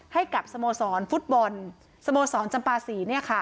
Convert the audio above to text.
ให้กับสโมสรฟุตบอลสโมสรจำปาศรี